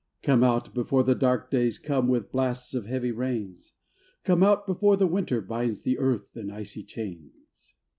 Come out, before the dark days come, With blasts and heavy rains : Come out, before the winter binds The earth in icy chains.